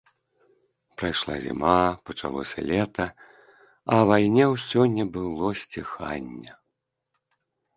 Прайшла зіма, пачалося лета, а вайне ўсё не было сціхання.